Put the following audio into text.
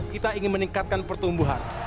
kita ingin meningkatkan pertumbuhan